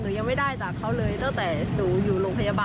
ยังไม่ได้จากเขาเลยตั้งแต่หนูอยู่โรงพยาบาล